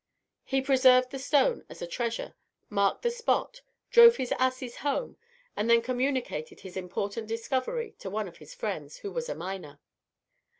He preserved the stone as a treasure, marked the spot, drove his asses home, and then communicated his important discovery to one of his friends, who was a miner.